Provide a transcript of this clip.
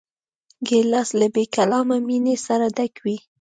ګیلاس له بېکلامه مینې سره ډک وي.